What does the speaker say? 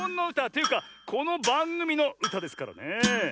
というかこのばんぐみのうたですからねえ。